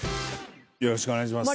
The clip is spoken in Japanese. よろしくお願いします。